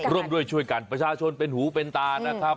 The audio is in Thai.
ร่วมด้วยช่วยกันประชาชนเป็นหูเป็นตานะครับ